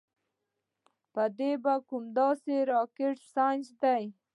پۀ دې کوم داسې راکټ سائنس دے -